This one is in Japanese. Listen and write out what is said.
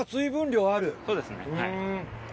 そうですねはい。